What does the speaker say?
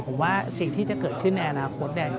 ผมว่าสิ่งที่จะเกิดขึ้นในอนาคตเนี่ย